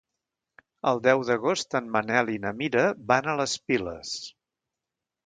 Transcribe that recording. El deu d'agost en Manel i na Mira van a les Piles.